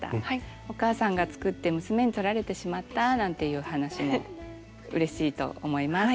お母さんが作って娘に取られてしまったなんていう話もうれしいと思います。